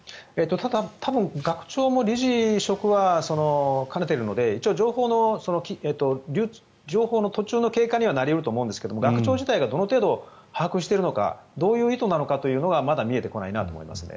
多分学長も理事職は兼ねているので一応、情報の途中の経過にはなり得ると思うんですが学長自体がどの程度把握しているのかどういう意図なのかというのがまだ見えてこないなと思いますね。